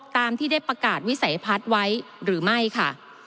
ตามที่ได้ประกาศวิสัยพัฒน์ไว้หรือไม่ค่ะ